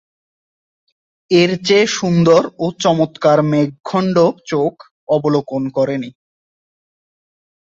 এর চেয়ে সুন্দর ও চমৎকার মেঘখণ্ড চোখ অবলোকন করেনি।